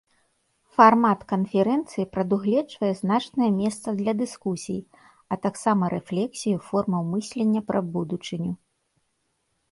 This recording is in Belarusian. Фармат канферэнцыі прадугледжвае значнае месца для дыскусій, а таксама рэфлексію формаў мыслення пра будучыню.